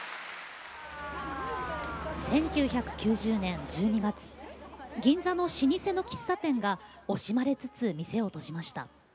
１９９０年１２月銀座の老舗の喫茶店が惜しまれつつ店を閉じました。